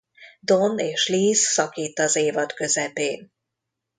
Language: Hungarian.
Don és Liz szakít az évad közepén.